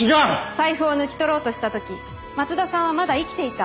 財布を抜き取ろうとした時松田さんはまだ生きていた。